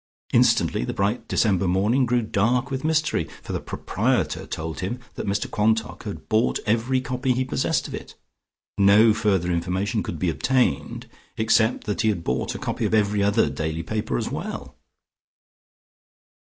Instantly the bright December morning grew dark with mystery, for the proprietor told him that Mr Quantock has bought every copy he possessed of it. No further information could be obtained, except that he had bought a copy of every other daily paper as well.